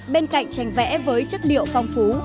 bên cạnh tranh vẽ với chất liệu phong phú